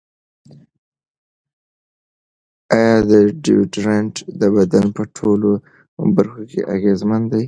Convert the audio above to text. ایا ډیوډرنټ د بدن په ټولو برخو کې اغېزمن دی؟